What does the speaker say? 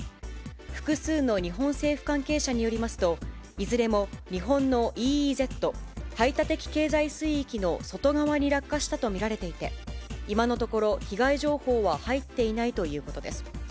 複数の日本政府関係者によりますと、いずれも日本のＥＥＺ・排他的経済水域の外側に落下したと見られていて、今のところ、被害情報は入っていないということです。